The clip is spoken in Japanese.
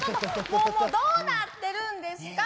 もうもうどうなってるんですか？